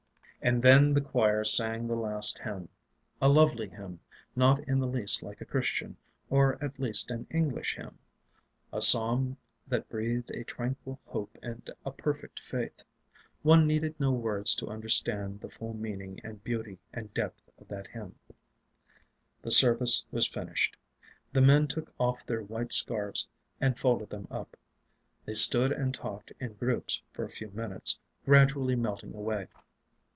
And then the choir sang the last hymn a lovely hymn, not in the least like a Christian, or at least an English hymn a psalm that breathed a tranquil hope and a perfect faith. One needed no words to understand the full meaning and beauty and depth of that hymn. The service was finished. The men took off their white scarfs and folded them up. They stood and talked in groups for a few minutes, gradually melting away.